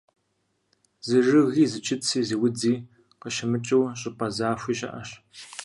Зы жыги, зы чыци, зы удзи къыщымыкӀыу щӀыпӀэ захуи щыӀэщ.